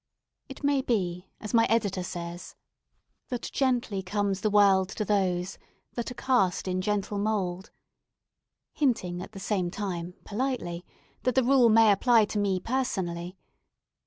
It may be as my editor says "That gently comes the world to those That are cast in gentle mould;" hinting at the same time, politely, that the rule may apply to me personally.